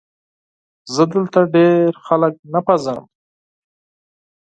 زه دلته ډېر خلک نه پېژنم ؟